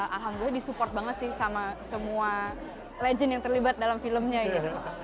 alhamdulillah disupport banget sih sama semua legend yang terlibat dalam filmnya gitu